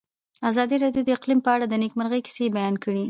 ازادي راډیو د اقلیم په اړه د نېکمرغۍ کیسې بیان کړې.